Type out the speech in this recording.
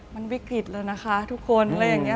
มันวิกฤตเลยนะคะทุกคน